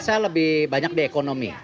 saya lebih banyak di ekonomi